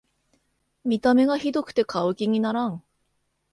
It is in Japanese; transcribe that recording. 見た目がひどくて買う気にならん